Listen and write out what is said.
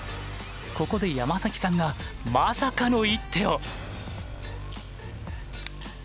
ここで山崎さんがまさかの一手を。